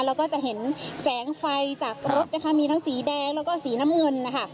แล้วก็จะเห็นแสงไฟจากรถนะคะมีทั้งสีแดงแล้วก็สีน้ำเงินนะคะ